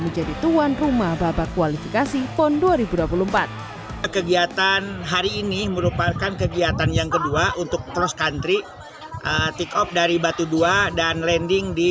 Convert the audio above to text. menjadi tuan rumah babak kualifikasi pon dua ribu dua puluh empat